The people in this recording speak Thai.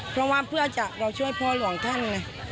เพราะว่าเพื่อจะเราช่วยพ่อหลวงท่านไง